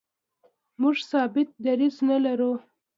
موږ ثابت دریځ نه لرو.